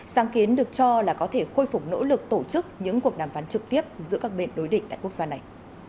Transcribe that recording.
sáng kiến được cho là có thể khôi phục nỗ lực tổ chức những cuộc đàm phán trực tiếp giữa các bên đối định tại quốc gia này